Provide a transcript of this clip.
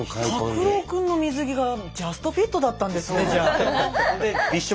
タクロウ君の水着がジャストフィットだったんですねじゃあ。